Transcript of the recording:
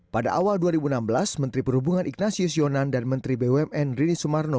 pada awal dua ribu enam belas menteri perhubungan ignasius yonan dan menteri bumn rini sumarno